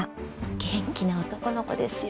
元気な男の子ですよ。